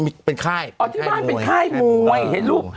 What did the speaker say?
อ๋อที่บ้านเป็นค่ายมวยเห็นรูป